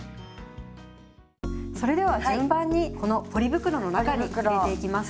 それでは順番にこのポリ袋の中に入れていきます。